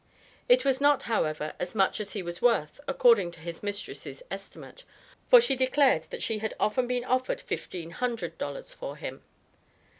It was not, however, as much as he was worth according to his mistress' estimate, for she declared that she had often been offered fifteen hundred dollars for him.